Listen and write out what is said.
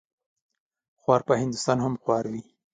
خوار په هندوستان هم خوار وي.